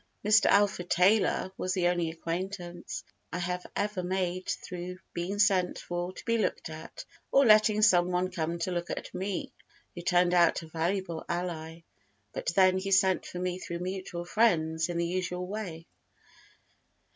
Mr. Alfred Tylor was the only acquaintance I have ever made through being sent for to be looked at, or letting some one come to look at me, who turned out a valuable ally; but then he sent for me through mutual friends in the usual way.